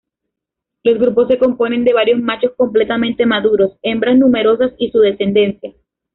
Los grupos se componen de varios machos completamente maduros, hembras numerosas y su descendencia.